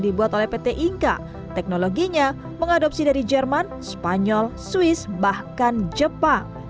dibuat oleh pt inka teknologinya mengadopsi dari jerman spanyol swiss bahkan jepang